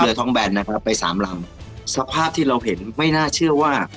ท้องแบนนะครับไปสามลำสภาพที่เราเห็นไม่น่าเชื่อว่า